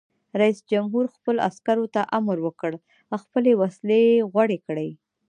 رئیس جمهور خپلو عسکرو ته امر وکړ؛ خپلې وسلې غوړې کړئ!